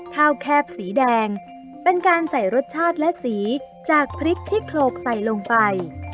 แคบสีแดงเป็นการใส่รสชาติและสีจากพริกที่โขลกใส่ลงไป